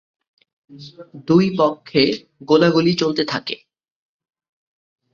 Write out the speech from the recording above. দুই পক্ষে গোলাগুলি চলতে থাকে।